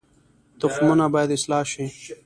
تخمونه باید اصلاح شي